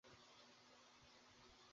তিনি জ্ঞান আহরণে ব্রতী ছিলেন।